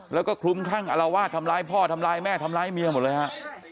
แล้วก็คลุ้มคลั่งอารวาสทำร้ายพ่อทำร้ายแม่ทำร้ายเมียหมดเลยฮะ